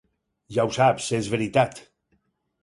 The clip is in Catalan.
Ja ho saps, és veritat!